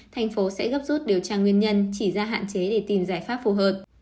thành phố sẽ gấp rút điều tra nguyên nhân chỉ ra hạn chế để tìm giải pháp phù hợp